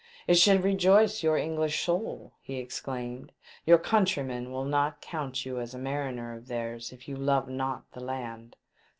"It should rejoice your English soul," he exclaimed. "Your countrymen will not count you as a mariner of theirs if you love not the land